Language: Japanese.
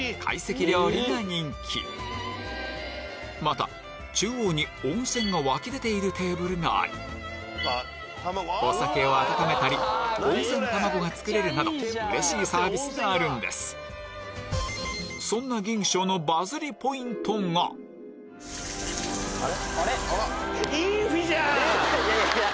また中央に温泉が湧き出ているテーブルがありお酒を温めたり温泉卵が作れるなどうれしいサービスがあるんですそんな吟松のあれ？